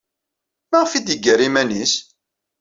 Maɣef ay d-yeggar iman-nnes?